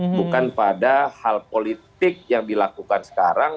bukan pada hal politik yang dilakukan sekarang